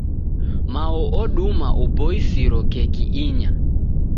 Mao oduma uboisiro keki inya.